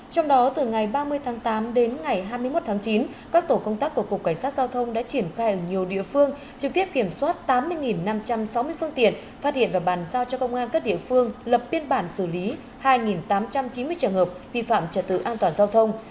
trong đó từ ngày ba mươi tháng tám đến ngày hai mươi một tháng chín các tổ công tác của cục cảnh sát giao thông đã triển khai ở nhiều địa phương trực tiếp kiểm soát tám mươi năm trăm sáu mươi phương tiện phát hiện và bàn giao cho công an các địa phương lập biên bản xử lý hai tám trăm chín mươi trường hợp vi phạm trật tự an toàn giao thông